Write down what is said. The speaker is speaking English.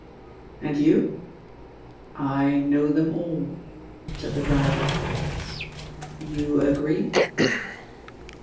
"And you?" "I know them all," said the driver. "You agree?"